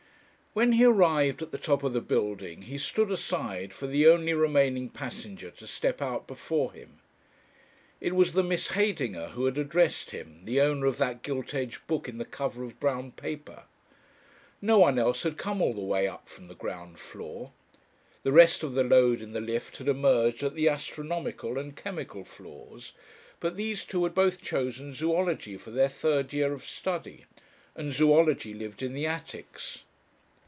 When he arrived at the top of the building he stood aside for the only remaining passenger to step out before him. It was the Miss Heydinger who had addressed him, the owner of that gilt edged book in the cover of brown paper. No one else had come all the way up from the ground floor. The rest of the load in the lift had emerged at the "astronomical" and "chemical" floors, but these two had both chosen "zoology" for their third year of study, and zoology lived in the attics.